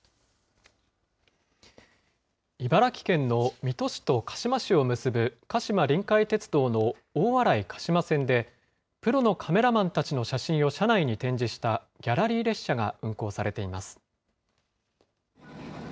茨城県の水戸市と鹿島市を結ぶ鹿島臨海鉄道の大洗鹿島線で、プロのカメラマンたちの写真を車内に展示したギャラリー列車が運